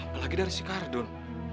apalagi dari si kardun